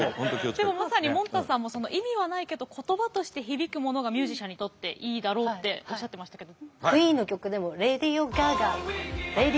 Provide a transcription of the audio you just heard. でもまさにもんたさんも意味はないけど言葉として響くモノがミュージシャンにとっていいだろうっておっしゃってましたけど。